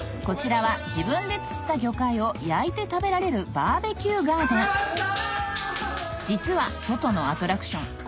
こちらは自分で釣った魚介を焼いて食べられる実は外のアトラクション